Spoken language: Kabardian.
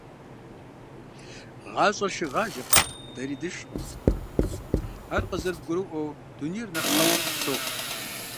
Гъащӏэр шыгъажэкъым, дэри дышкъым. Ар къызэрыбгурыӏуэу, дунейр нэхъ ӏэфӏ пщохъу.